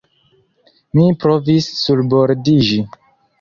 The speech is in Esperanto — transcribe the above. Mi provis surbordiĝi.